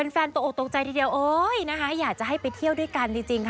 แฟนตกตกใจทีเดียวอยากจะให้ไปเที่ยวด้วยกันจริง